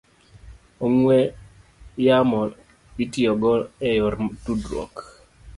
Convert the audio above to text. ong'we yamo itiyogo e yor tudruok.